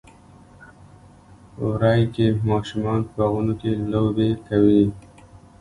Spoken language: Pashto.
وری کې ماشومان په باغونو کې لوبې کوي.